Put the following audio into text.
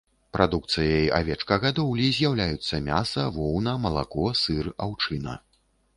Прадукцыяй авечкагадоўлі з'яўляюцца мяса, воўна, малако, сыр, аўчына.